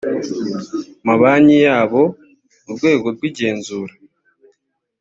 mabanki yabo urwego rw igenzura